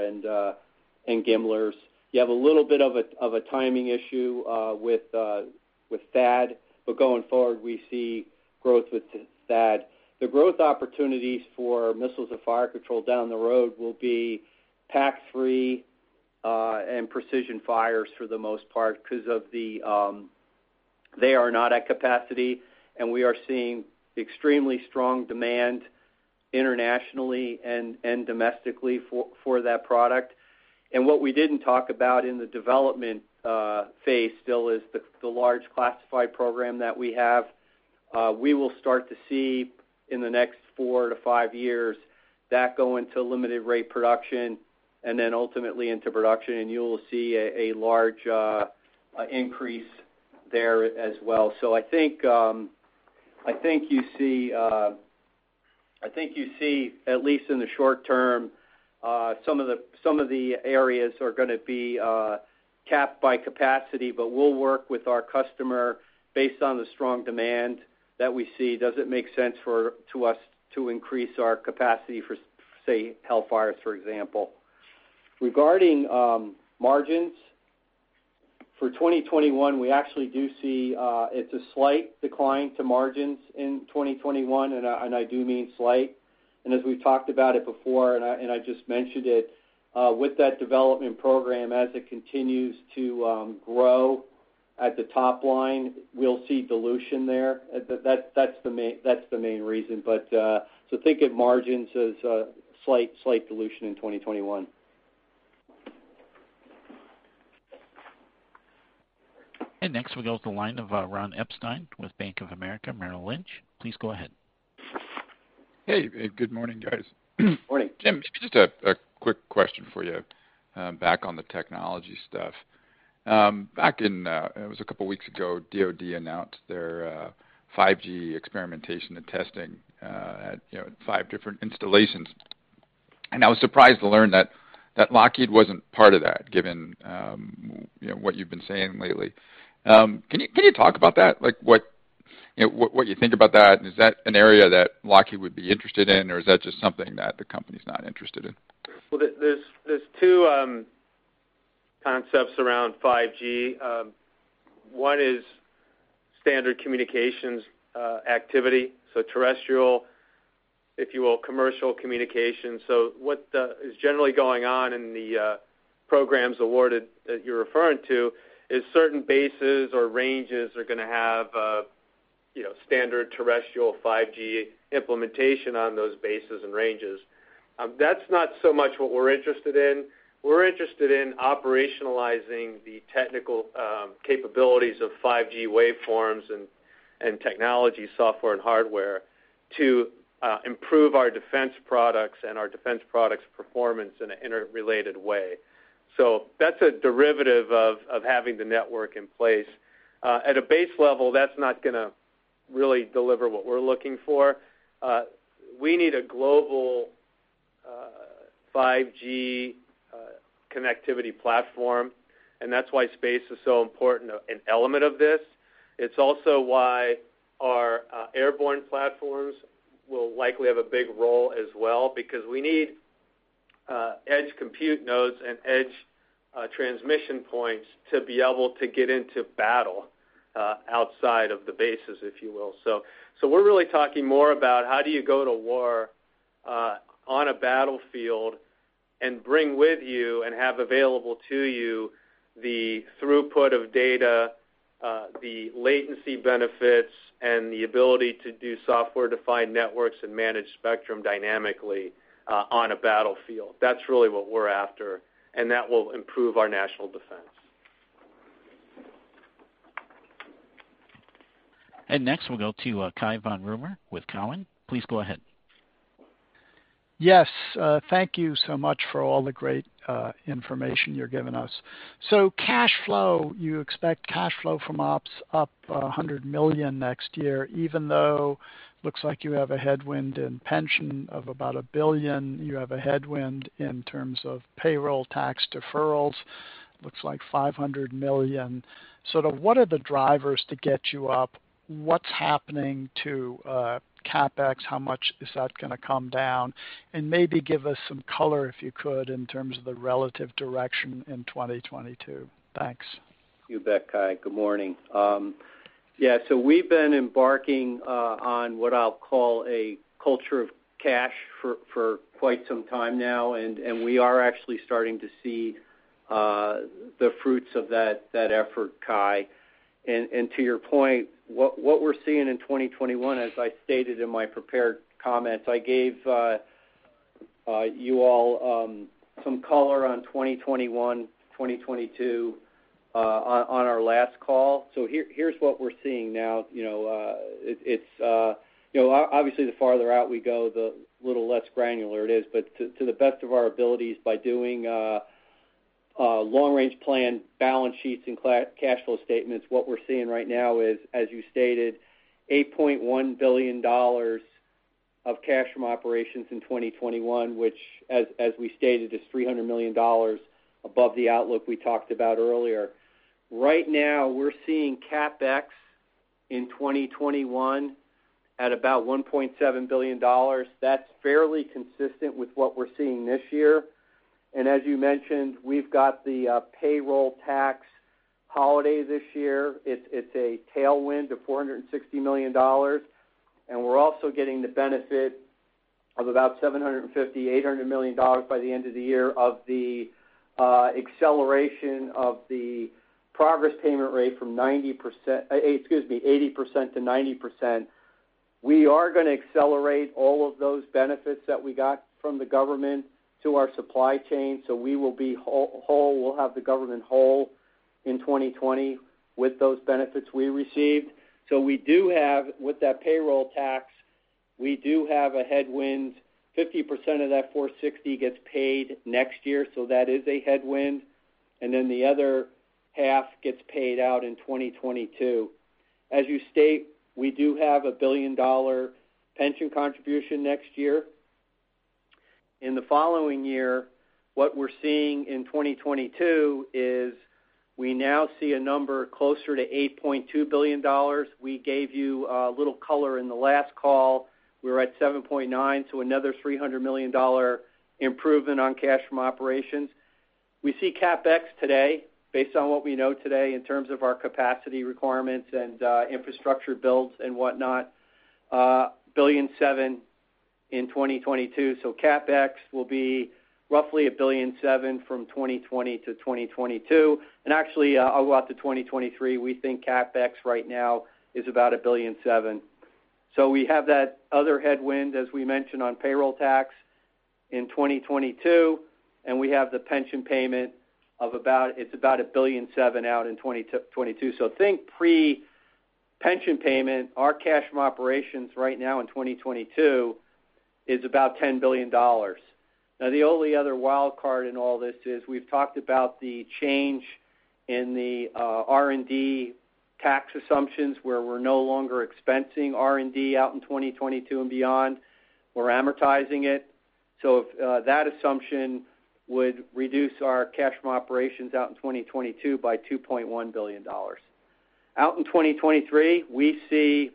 and GMLRS. You have a little bit of a timing issue with THAAD, but going forward, we see growth with THAAD. The growth opportunities for missiles and fire control down the road will be PAC-3 and precision fires for the most part because they are not at capacity, and we are seeing extremely strong demand internationally and domestically for that product. What we didn't talk about in the development phase still is the large classified program that we have. We will start to see in the next four to five years that go into limited rate production and then ultimately into production, and you'll see a large increase there as well. I think you see, at least in the short term, some of the areas are going to be capped by capacity, but we'll work with our customer based on the strong demand that we see. Does it make sense to us to increase our capacity for, say, Hellfires, for example? Regarding margins, for 2021, we actually do see, it's a slight decline to margins in 2021, and I do mean slight. As we've talked about it before, and I just mentioned it, with that development program, as it continues to grow At the top line, we'll see dilution there. That's the main reason. Think of margins as a slight dilution in 2021. Next we go to the line of Ron Epstein with Bank of America Merrill Lynch. Please go ahead. Hey. Good morning, guys. Morning. Jim, just a quick question for you, back on the technology stuff. Back in, it was a couple of weeks ago, DoD announced their 5G experimentation and testing at five different installations. I was surprised to learn that Lockheed wasn't part of that, given what you've been saying lately. Can you talk about that? What you think about that? Is that an area that Lockheed would be interested in or is that just something that the company's not interested in? Well, there's two concepts around 5G. One is standard communications activity. Terrestrial, if you will, commercial communication. What is generally going on in the programs awarded that you're referring to, is certain bases or ranges are going to have a standard terrestrial 5G implementation on those bases and ranges. That's not so much what we're interested in. We're interested in operationalizing the technical capabilities of 5G waveforms and technology software and hardware to improve our defense products and our defense products performance in an interrelated way. That's a derivative of having the network in place. At a base level, that's not going to really deliver what we're looking for. We need a global 5G connectivity platform, that's why space is so important, an element of this. It's also why our airborne platforms will likely have a big role as well, because we need edge compute nodes and edge transmission points to be able to get into battle outside of the bases, if you will. We're really talking more about how do you go to war on a battlefield and bring with you and have available to you the throughput of data, the latency benefits, and the ability to do software-defined networks and manage spectrum dynamically on a battlefield. That's really what we're after, and that will improve our national defense. Next, we'll go to Cai von Rumohr with Cowen. Please go ahead. Yes. Thank you so much for all the great information you're giving us. Cash flow, you expect cash flow from ops up $100 million next year, even though looks like you have a headwind in pension of about $1 billion. You have a headwind in terms of payroll tax deferrals, looks like $500 million. What are the drivers to get you up? What's happening to CapEx? How much is that going to come down? Maybe give us some color, if you could, in terms of the relative direction in 2022. Thanks. You bet, Cai. Good morning. Yeah, we've been embarking on what I'll call a culture of cash for quite some time now, and we are actually starting to see the fruits of that effort, Cai. To your point, what we're seeing in 2021, as I stated in my prepared comments, I gave you all some color on 2021, 2022 on our last call. Here's what we're seeing now. Obviously, the farther out we go, the little less granular it is. To the best of our abilities by doing long-range plan balance sheets and cash flow statements, what we're seeing right now is, as you stated, $8.1 billion of cash from operations in 2021, which, as we stated, is $300 million above the outlook we talked about earlier. Right now, we're seeing CapEx in 2021 at about $1.7 billion. That's fairly consistent with what we're seeing this year. As you mentioned, we've got the payroll tax holiday this year. It's a tailwind of $460 million. We're also getting the benefit of about $750 million-$800 million by the end of the year of the acceleration of the progress payment rate from 80% to 90%. We are going to accelerate all of those benefits that we got from the government to our supply chain. We will be whole. We'll have the government whole in 2020 with those benefits we received. With that payroll tax, we do have a headwind. 50% of that $460 million gets paid next year, that is a headwind. The other half gets paid out in 2022. As you state, we do have a billion-dollar pension contribution next year. In the following year, what we're seeing in 2022 is we now see a number closer to $8.2 billion. We gave you a little color in the last call. We were at $7.9 billion, another $300 million improvement on cash from operations. We see CapEx today, based on what we know today in terms of our capacity requirements and infrastructure builds and whatnot, $1.7 billion. In 2022, CapEx will be roughly $1.7 billion from 2020 to 2022. Actually, out to 2023, we think CapEx right now is about $1.7 billion. We have that other headwind, as we mentioned on payroll tax in 2022, and we have the pension payment, it's about $1.7 billion out in 2022. Think pre-pension payment, our cash from operations right now in 2022 is about $10 billion. Now, the only other wildcard in all this is we've talked about the change in the R&D tax assumptions, where we're no longer expensing R&D out in 2022 and beyond. We're amortizing it. That assumption would reduce our cash from operations out in 2022 by $2.1 billion. Out in 2023, we see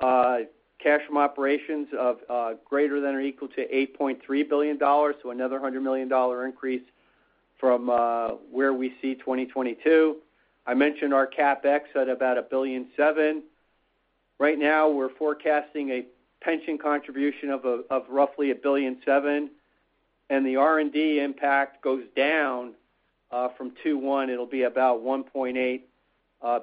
cash from operations of greater than or equal to $8.3 billion, another $100 million increase from where we see 2022. I mentioned our CapEx at about $1.7 billion. Right now, we're forecasting a pension contribution of roughly $1.7 billion, and the R&D impact goes down from $2.1 billion, it'll be about $1.8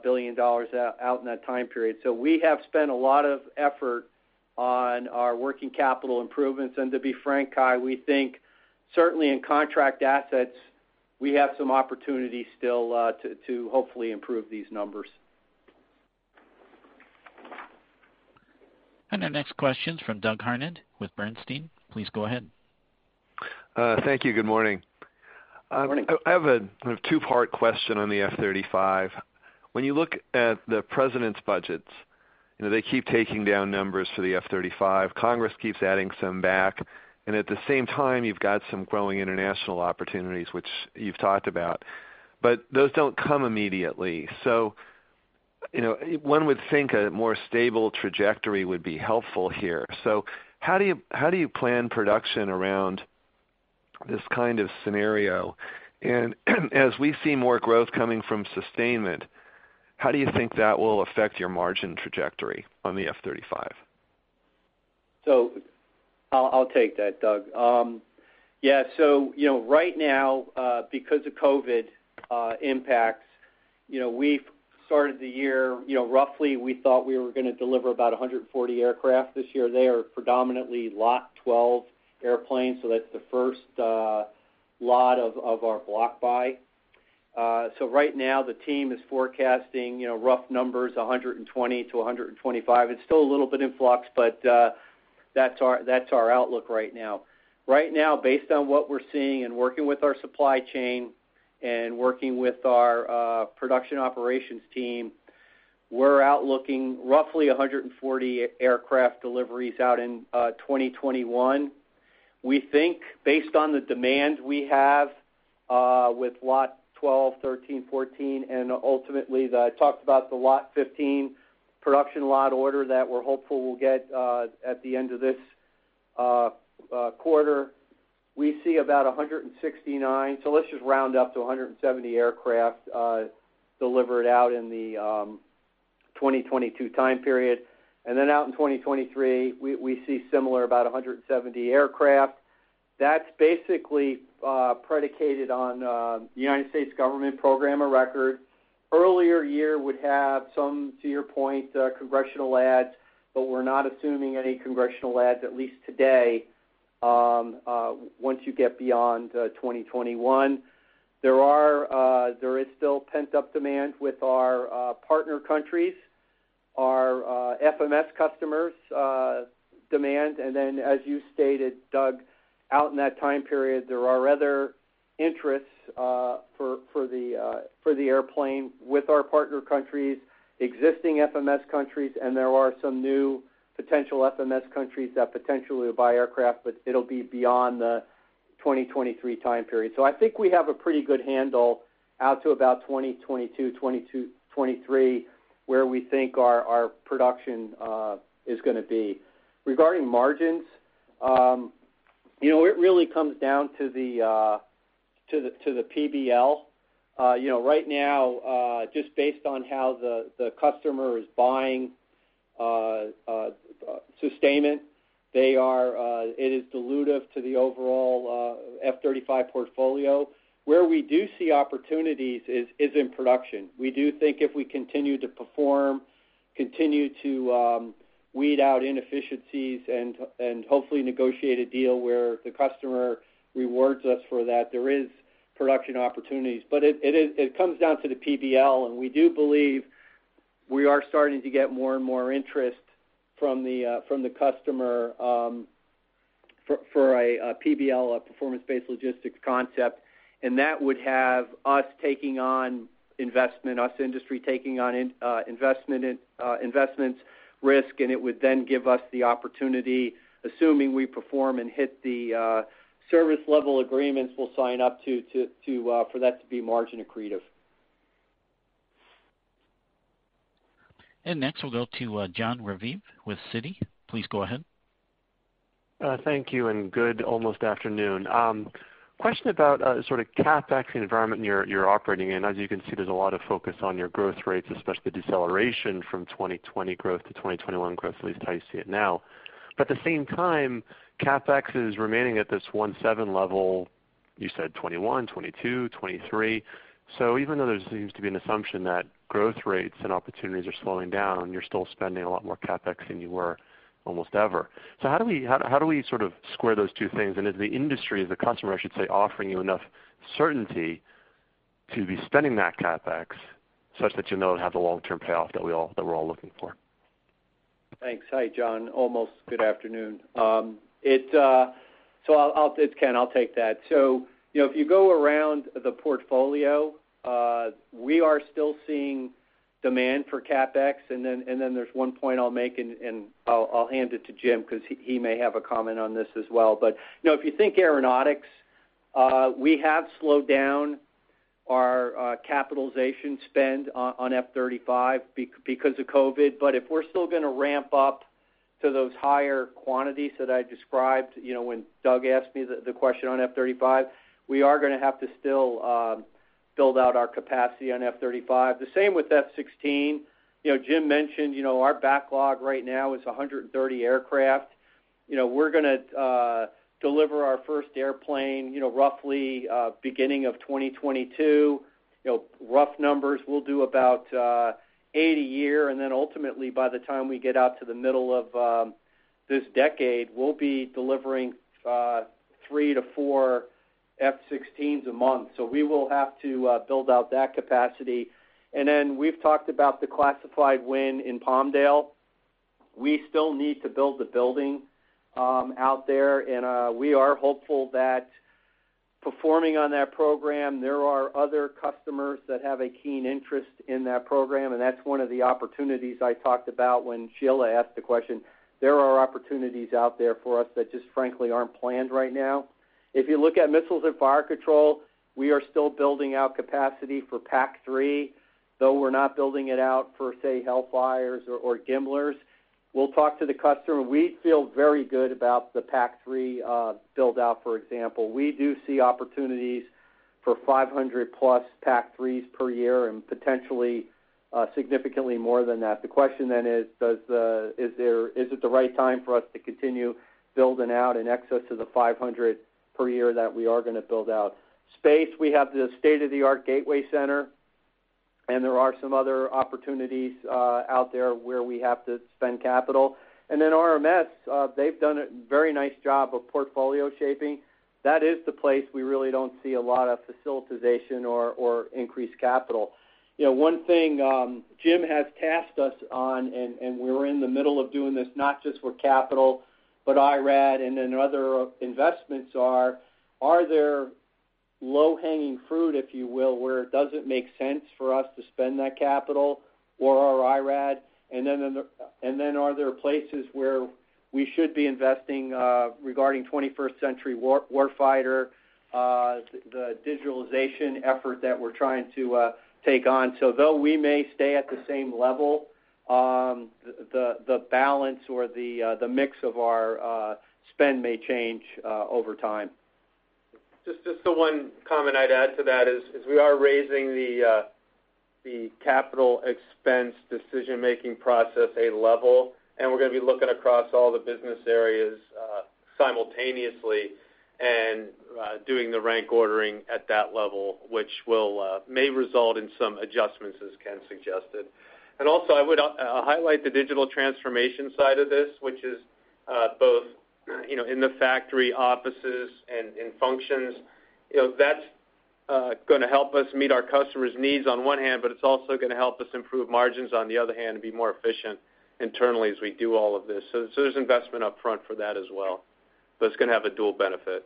billion out in that time period. We have spent a lot of effort on our working capital improvements. To be frank, Cai, we think certainly in contract assets, we have some opportunities still to hopefully improve these numbers. Our next question's from Doug Harned with Bernstein. Please go ahead. Thank you. Good morning. Good morning. I have a kind of two-part question on the F-35. When you look at the President's budgets, they keep taking down numbers for the F-35. Congress keeps adding some back, and at the same time, you've got some growing international opportunities, which you've talked about, but those don't come immediately. One would think a more stable trajectory would be helpful here. How do you plan production around this kind of scenario? As we see more growth coming from sustainment, how do you think that will affect your margin trajectory on the F-35? I'll take that, Doug. Yeah. Right now, because of COVID impacts, we've started the year, roughly, we thought we were going to deliver about 140 aircraft this year. They are predominantly Lot 12 airplanes, that's the first lot of our block buy. Right now the team is forecasting rough numbers, 120 to 125. It's still a little bit in flux, that's our outlook right now. Right now, based on what we're seeing and working with our supply chain, and working with our production operations team, we're outlooking roughly 140 aircraft deliveries out in 2021. We think based on the demand we have, with Lot 12, 13, 14, and ultimately, I talked about the Lot 15 production lot order that we're hopeful we'll get, at the end of this quarter. We see about 169, so let's just round up to 170 aircraft delivered out in the 2022 time period. Out in 2023, we see similar, about 170 aircraft. That's basically predicated on the U.S. government program of record. Earlier year would have some, to your point, congressional adds, we're not assuming any congressional adds, at least today, once you get beyond 2021. There is still pent-up demand with our partner countries, our FMS customers' demand. As you stated, Doug, out in that time period, there are other interests for the airplane with our partner countries, existing FMS countries, and there are some new potential FMS countries that potentially will buy aircraft, it'll be beyond the 2023 time period. I think we have a pretty good handle out to about 2022, 2023, where we think our production is going to be. Regarding margins, it really comes down to the PBL. Right now, just based on how the customer is buying sustainment, it is dilutive to the overall F-35 portfolio. Where we do see opportunities is in production. We do think if we continue to perform, continue to weed out inefficiencies, and hopefully negotiate a deal where the customer rewards us for that, there is production opportunities. It comes down to the PBL, and we do believe we are starting to get more and more interest from the customer for a PBL, a performance-based logistics concept, and that would have us taking on investment, us industry taking on investment risk, and it would then give us the opportunity, assuming we perform and hit the service level agreements we'll sign up to, for that to be margin accretive. Next, we'll go to Jon Raviv with Citi. Please go ahead. Thank you, and good almost afternoon. Question about sort of CapEx environment you are operating in. As you can see, there is a lot of focus on your growth rates, especially deceleration from 2020 growth to 2021 growth, at least how you see it now. At the same time, CapEx is remaining at this $1.7 level, you said 2021, 2022, 2023. Even though there seems to be an assumption that growth rates and opportunities are slowing down, you are still spending a lot more CapEx than you were almost ever. How do we sort of square those two things? Is the industry, the customer, I should say, offering you enough certainty to be spending that CapEx such that you know it will have the long-term payoff that we are all looking for? Thanks. Hi, Jon. Almost good afternoon. It's Ken, I'll take that. If you go around the portfolio, we are still seeing demand for CapEx. There's one point I'll make, and I'll hand it to Jim because he may have a comment on this as well. If you think Aeronautics, we have slowed down our capitalization spend on F-35 because of COVID, but if we're still going to ramp up to those higher quantities that I described when Doug asked me the question on F-35, we are going to have to still build out our capacity on F-35. The same with F-16. Jim mentioned our backlog right now is 130 aircraft. We're going to deliver our first airplane roughly beginning of 2022. Rough numbers, we'll do about 80 a year, then ultimately, by the time we get out to the middle of this decade, we'll be delivering three to four F-16s a month. We will have to build out that capacity. We've talked about the classified win in Palmdale. We still need to build the building out there, and we are hopeful that performing on that program, there are other customers that have a keen interest in that program, and that's one of the opportunities I talked about when Sheila asked the question. There are opportunities out there for us that just frankly, aren't planned right now. If you look at missiles and fire control, we are still building out capacity for PAC-3, though we're not building it out for, say, HELLFIRE or GMLRS. We'll talk to the customer. We feel very good about the PAC-3 build out, for example. We do see opportunities for 500-plus PAC-3s per year and potentially significantly more than that. The question then is it the right time for us to continue building out in excess of the 500 per year that we are going to build out? Space, we have the state-of-the-art Gateway Center, and there are some other opportunities out there where we have to spend capital. RMS, they've done a very nice job of portfolio shaping. That is the place we really don't see a lot of facilitization or increased capital. One thing Jim has tasked us on, and we're in the middle of doing this, not just with capital, but IRAD, and then other investments are there low-hanging fruit, if you will, where it doesn't make sense for us to spend that capital or our IRAD? Are there places where we should be investing regarding 21st Century Warfighter, the digitalization effort that we're trying to take on? Though we may stay at the same level, the balance or the mix of our spend may change over time. Just the one comment I'd add to that is we are raising the capital expense decision-making process a level, and we're going to be looking across all the business areas simultaneously and doing the rank ordering at that level, which may result in some adjustments as Ken suggested. I would highlight the digital transformation side of this, which is both in the factory offices and in functions. That's going to help us meet our customers' needs on one hand, but it's also going to help us improve margins on the other hand and be more efficient internally as we do all of this. There's investment upfront for that as well. It's going to have a dual benefit.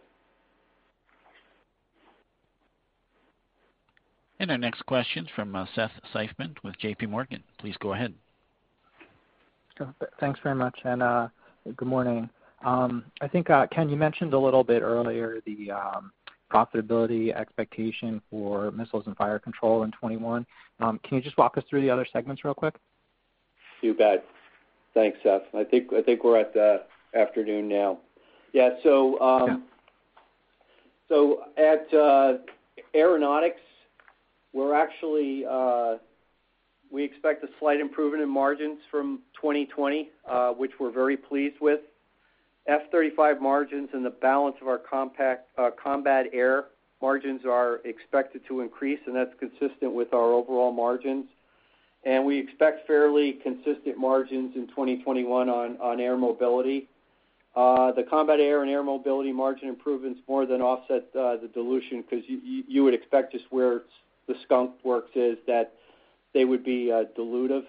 Our next question's from Seth Seifman with JPMorgan. Please go ahead. Thanks very much, and good morning. I think, Ken, you mentioned a little bit earlier the profitability expectation for Missiles and Fire Control in 2021. Can you just walk us through the other segments real quick? You bet. Thanks, Seth. I think we're at the afternoon now. Okay. At Aeronautics, we expect a slight improvement in margins from 2020, which we're very pleased with. F-35 margins and the balance of our combat air margins are expected to increase, and that's consistent with our overall margins. We expect fairly consistent margins in 2021 on air mobility. The combat air and air mobility margin improvements more than offset the dilution because you would expect just where the Skunk Works is, that they would be dilutive.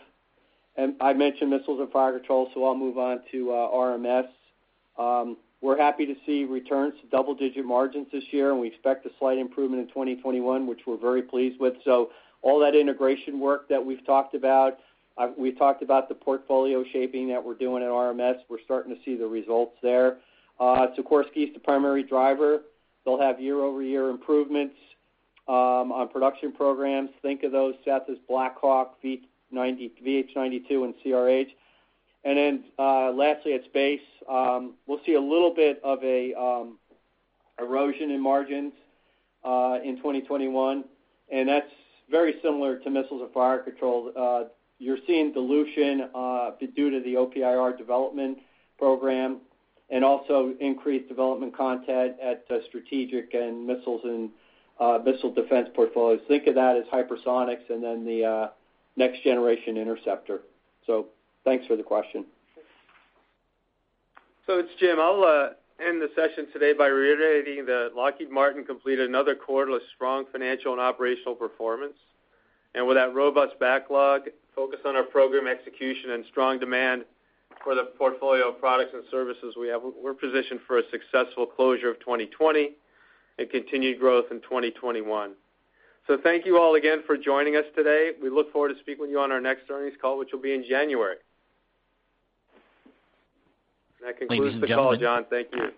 I mentioned Missiles and Fire Control, so I'll move on to RMS. We're happy to see returns to double-digit margins this year, and we expect a slight improvement in 2021, which we're very pleased with. All that integration work that we've talked about, we talked about the portfolio shaping that we're doing at RMS, we're starting to see the results there. Sikorsky is the primary driver. They'll have year-over-year improvements on production programs. Think of those, Seth, as BLACK HAWK, VH-92, and CRH. Lastly at Space, we'll see a little bit of an erosion in margins in 2021, and that's very similar to Missiles and Fire Control. You're seeing dilution due to the OPIR development program and also increased development content at strategic and missile defense portfolios. Think of that as hypersonics the next-generation interceptor. Thanks for the question. It's Jim. I'll end the session today by reiterating that Lockheed Martin completed another quarter of strong financial and operational performance. With that robust backlog, focus on our program execution, and strong demand for the portfolio of products and services we have, we're positioned for a successful closure of 2020 and continued growth in 2021. Thank you all again for joining us today. We look forward to speaking with you on our next earnings call, which will be in January. That concludes the call, John. Thank you.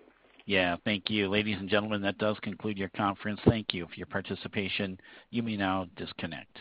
Yeah. Thank you. Ladies and gentlemen, that does conclude your conference. Thank you for your participation. You may now disconnect.